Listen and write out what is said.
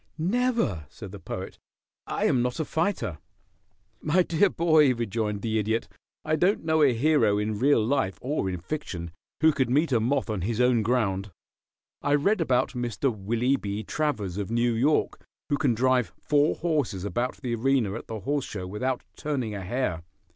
"Never," said the Poet. "I am not a fighter." "My dear boy," rejoined the Idiot, "I don't know a hero in real life or in fiction who could meet a moth on his own ground. I read about Mr. Willie B. Travers, of New York, who can drive four horses about the arena at the horse show without turning a hair.